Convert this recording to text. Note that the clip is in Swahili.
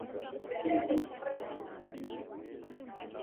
ya mapacha hao na mkewe anasema kucheza kwake vema katika mechi za michuano hiyo